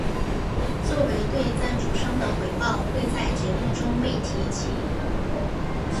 作为对赞助商的回报会在节目中被提及。